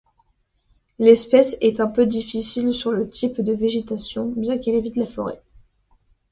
L'espèce est peu difficile sur le type de végétation, bien qu'elle évite la forêt.